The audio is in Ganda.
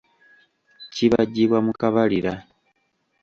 Kibajjibwa mu kabalira.